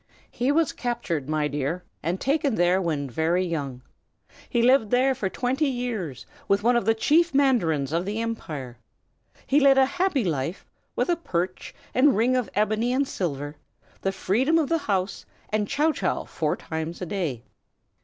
"He was captured, my dear, and taken there when very young. He lived there for twenty years, with one of the chief mandarins of the empire. He led a happy life, with a perch and ring of ebony and silver, the freedom of the house, and chow chow four times a day.